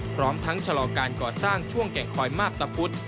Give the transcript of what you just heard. พร้อมทั้งชะลอการก่อสร้างช่วงแก่งคอยมาบตะพุธ